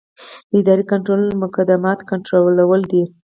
د ادارې کنټرول مقدماتي کنټرول دی.